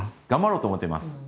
頑張ろうと思っています